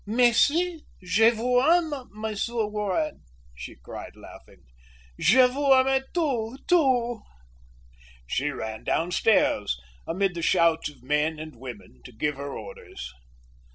"Mais si, je vous aime, Monsieur Warren," she cried, laughing, "Je vous aime tous, tous." She ran downstairs, amid the shouts of men and women, to give her orders.